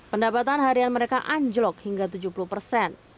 pendapatan harian mereka anjlok hingga tujuh puluh persen